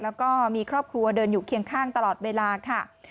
แล้วก็มีครอบครัวเดินอยู่เคียงข้างตลอดเวลาค่ะ